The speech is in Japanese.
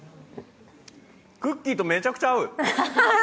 クッキーとめちゃくちゃ合う！